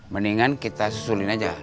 mendingan kita susulin aja